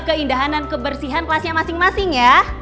keindahan dan kebersihan kelasnya masing masing ya